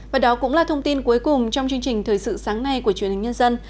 và đó cũng là thông tin cuối cùng trong chương trình thời sự sáng nay của truyền hình nhân dân